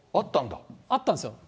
あったんですよ。